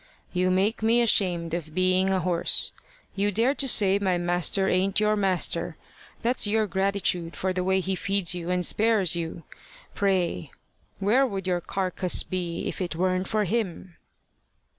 You make me ashamed of being a horse. You dare to say my master ain't your master! That's your gratitude for the way he feeds you and spares you! Pray where would your carcass be if it weren't for him?"